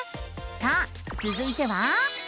さあつづいては。